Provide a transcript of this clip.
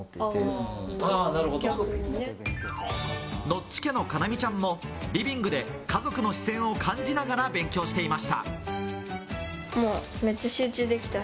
ノッチ家の叶望ちゃんもリビングで家族の視線を感じながら勉強していました。